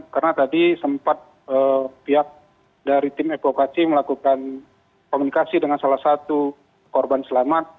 karena tadi sempat pihak dari tim evakuasi melakukan komunikasi dengan salah satu korban selamat